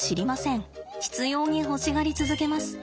執ように欲しがり続けます。